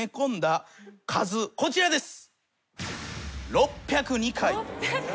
こちらです。